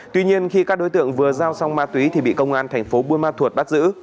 tuy nhiên khi các đối tượng vừa giao xong ma túy thì bị công an thành phố buôn ma thuột bắt giữ